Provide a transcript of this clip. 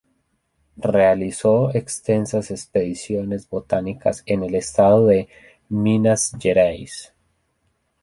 Realizó extensas expediciones botánicas en el Estado de Minas Gerais.